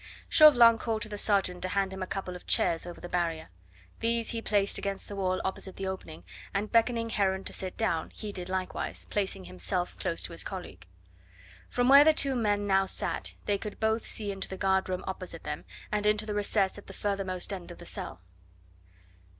Chauvelin called to the sergeant to hand him a couple of chairs over the barrier. These he placed against the wall opposite the opening, and beckoning Heron to sit down, he did likewise, placing himself close to his colleague. From where the two men now sat they could see both into the guard room opposite them and into the recess at the furthermost end of the cell.